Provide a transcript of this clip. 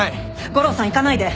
悟郎さん行かないで！